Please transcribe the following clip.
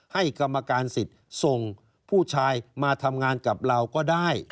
กรรมการสิทธิ์ส่งผู้ชายมาทำงานกับเราก็ได้